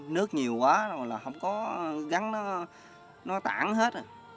nước nhiều quá là không có rắn nó tản hết